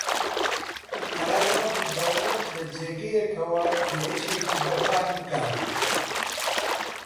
قەرار وا بوو دەوڵەت لە جێگەیەکەوە هێرشێکی بەرپان بکا